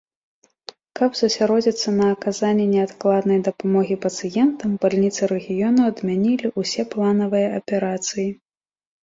Каб засяродзіцца на аказанні неадкладнай дапамогі пацыентам, бальніцы рэгіёну адмянілі ўсе планавыя аперацыі.